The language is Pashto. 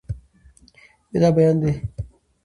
مې دا بيان دی